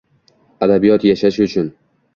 Adabiyot yashashi uchun.